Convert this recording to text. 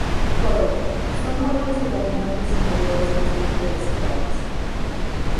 Por ello, son muebles de gabinetes interiores más bien que de salones.